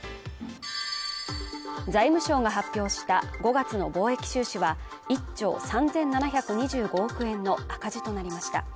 財務省が発表した５月の貿易収支は１兆３７２５億円の赤字となりました。